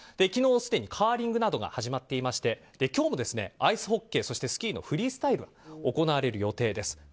昨日、すでにカーリングなどが始まっていまして今日もアイスホッケーそしてスキーのフリースタイルが行われる予定です。